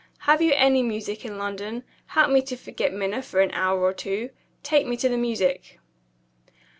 Have you any music in London? Help me to forget Minna for an hour or two. Take me to the music."